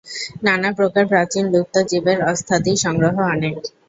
নানাপ্রকার প্রাচীন লুপ্ত জীবের অস্থ্যাদি সংগ্রহ অনেক।